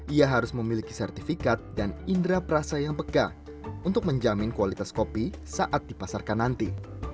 ia harus memiliki sertifikat dan indera perasa yang pegah untuk menjamin kualitas kopi saat dipasarkan nanti